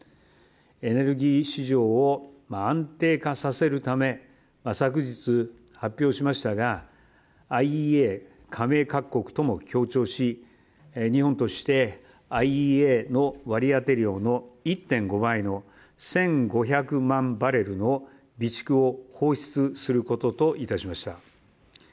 エネルギー市場を安定化させるため昨日発表しましたがＩＥＡ加盟各国とも協調し、日本としてＩＥＡの割り当ての１．５倍の１５００万バレルの備蓄を放出することといたしました。